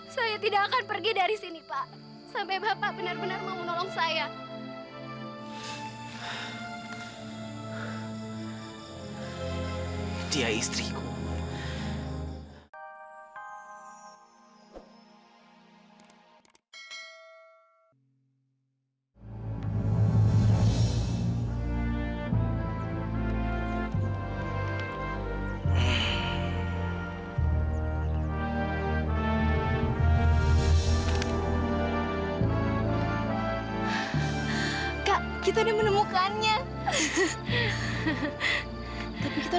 sampai jumpa di video selanjutnya